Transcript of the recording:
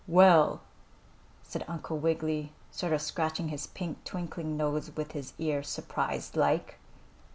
"Well," said Uncle Wiggily, sort of scratching his pink, twinkling nose with his ear, surprised like.